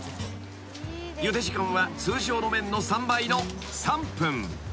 ［ゆで時間は通常の麺の３倍の３分］